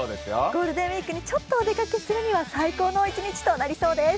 ゴールデンウイークにちょっとお出かけするには最高となりそうです。